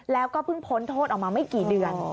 แล้วก็เพิ่งพ้นโทษออกมาไม่กี่เดือน